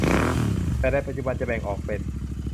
แต่ในปัจจุบันจะแบ่งออกเป็น